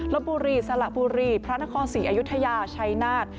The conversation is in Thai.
ลบบุรีสละบุรีพระนครศรีอยุธยาชัยนาฏ